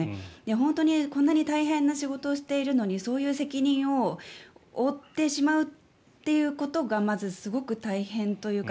本当にこんなに大変な仕事をしているのにそういった責任を負ってしまうということがまず、すごく大変というか